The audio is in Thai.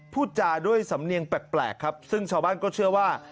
พูดจาด้วยสำเนียงแปลกครับซึ่งชาวบ้านก็เชื่อว่า